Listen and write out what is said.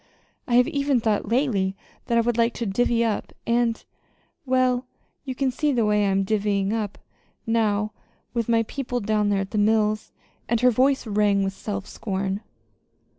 I have even thought lately that I would still like to 'divvy up'; and well, you can see the way I am 'divvying up' now with my people down there at the mills!" And her voice rang with self scorn.